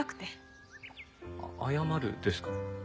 謝るですか？